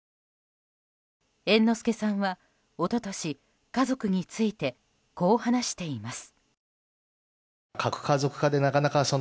猿之助さんは一昨年家族について、こう話しています。